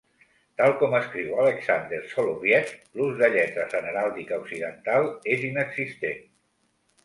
Tal com escriu Alexander Soloviev, l'ús de lletres en heràldica occidental és inexistent.